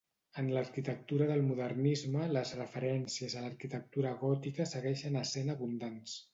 En l'arquitectura del modernisme les referències a l'arquitectura gòtica segueixen essent abundants.